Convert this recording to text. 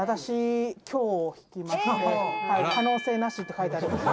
「“可能性なし”って書いてありました」